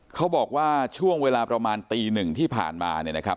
เขาบอกว่าช่วงเวลาประมาณตีหนึ่งที่ผ่านมาเนี่ยนะครับ